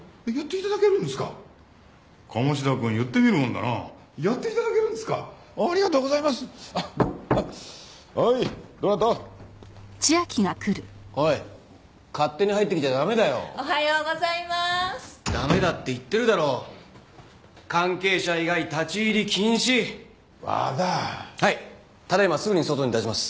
ただ今すぐに外に出します。